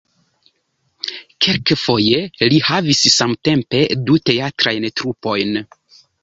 Kelkfoje li havis samtempe du teatrajn trupojn.